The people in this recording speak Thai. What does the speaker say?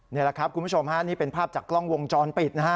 นี่แหละครับคุณผู้ชมฮะนี่เป็นภาพจากกล้องวงจรปิดนะฮะ